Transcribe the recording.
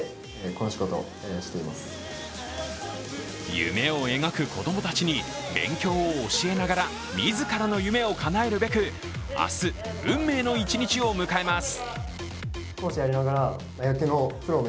夢を描く子供たちに、勉強を教えながら自らの夢をかなえるべく明日、運命の一日を迎えます。